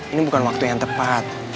ini bukan waktu yang tepat